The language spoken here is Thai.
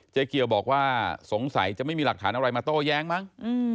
เกี่ยวบอกว่าสงสัยจะไม่มีหลักฐานอะไรมาโต้แย้งมั้ง